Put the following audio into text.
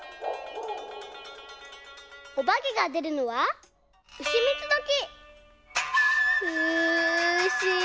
おばけがでるのはうしみつどき。